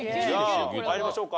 参りましょうか。